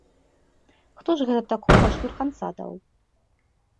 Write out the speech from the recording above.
Хто ж гэта такога штурханца даў?